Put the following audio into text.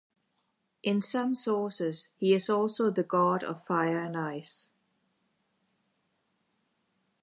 In some sources he is also the god of fire and ice.